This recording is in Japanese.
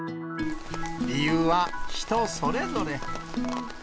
理由は人それぞれ。